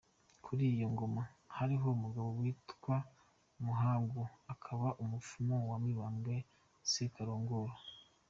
Kuri iyo ngoma, hariho umugabo witwa Muhangu, akaba umupfumu wa Mibambwe Sekarongoro.